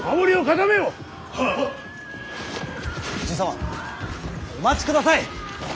爺様お待ちください！